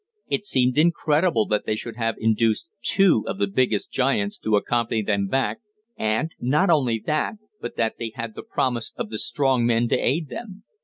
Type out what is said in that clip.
It seemed incredible that they should have induced two of the biggest giants to accompany them back, and, not only that, but that they had the promise of the strong men to aid them.